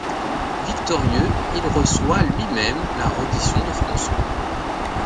Victorieux, il reçoit lui-même la reddition de François.